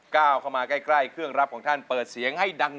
ก้าวเข้ามาใกล้เครื่องรับของท่านเปิดเสียงให้ดัง